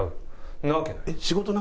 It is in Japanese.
そんなわけない。